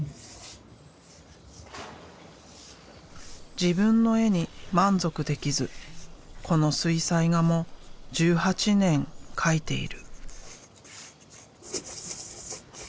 自分の絵に満足できずこの水彩画も１８年描いている。